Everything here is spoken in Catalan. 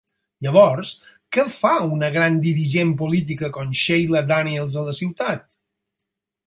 Llavors què fa una gran dirigent política com Shiela Daniels a la ciutat?